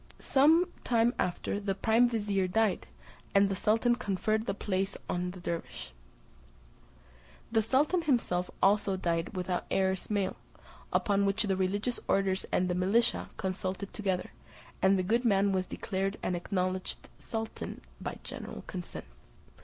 Some time after the prime vizier died, and the sultan conferred the place on the dervise. The sultan himself also died without heirs male; upon which the religious orders and the militia consulted together, and the good man was declared and acknowledged sultan by general consent.